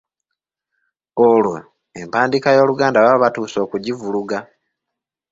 Olwo empandiika y'Oluganda baba batuuse okugivuluga.